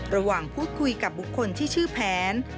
ระหว่างพูดคุยกับบุคคลที่ชื่อแผน